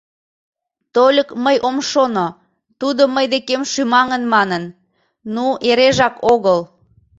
— Тольык мый ом шоно, тудо мый декем шӱмаҥын манын... ну, эрежак огыл.